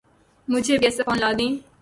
مجھے بھی ایسا فون لا دیں